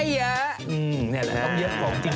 ข้าวใส่ไข่สดใหม่